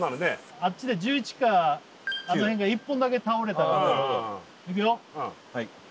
あっちで１１かあのへんが１本だけ倒れたらいくよ